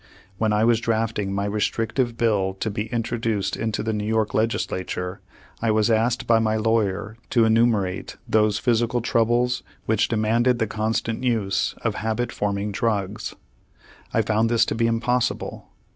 When I was drafting my restrictive bill to be introduced into the New York legislature, I was asked by my lawyer to enumerate those physical troubles which demanded the constant use of habit forming drugs. I found this to be impossible.